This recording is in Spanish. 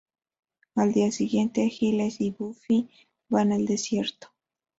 Al día siguiente, Giles y Buffy van al desierto.